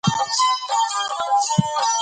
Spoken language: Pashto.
څوک وايي کته کړه او څوک وايي چې بره کړه